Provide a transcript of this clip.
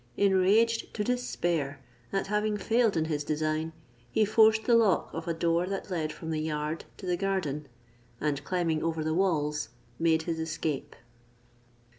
Enraged to despair at having failed in his design, he forced the lock of a door that led from the yard to the garden, and climbing over the walls, made his escape.